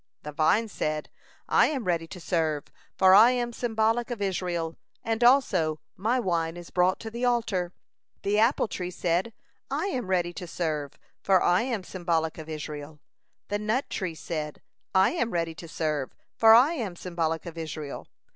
The vine said: "I am ready to serve, for I am symbolic of Israel and, also, my wine is brought to the altar." The apple tree said: "I am ready to serve, for I am symbolic of Israel." The nut tree said: "I am ready to serve, for I am symbolic of Israel."